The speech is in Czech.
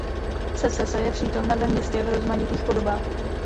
Secese je přítomna ve městě v rozmanitých podobách.